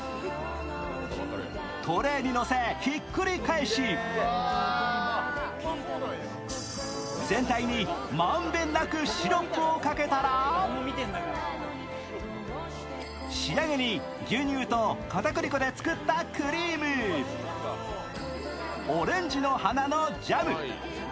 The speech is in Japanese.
トレーにのせひっくり返し、全体に満遍なくシロップをかけたら仕上げに牛乳と片栗粉で作ったクリーム、オレンジの花のジャム。